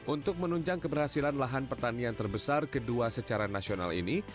untuk menunjang keberhasilan lahan pertanian terbesar kedua secara nasional ini